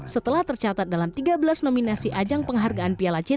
setelah tercatat dalam tiga belas nominasi ajang penghargaan piala citra dua ribu tujuh belas